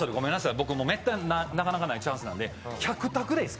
僕、めったになかなかないチャンスなんで、１００択でいいですか。